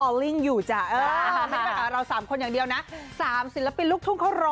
ออลลิ่งอยู่จ้ะเออเราสามคนอย่างเดียวน่ะสามศิลปินลูกทุ่มเขารอ